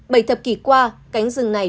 bảy thập kỷ qua cánh rừng này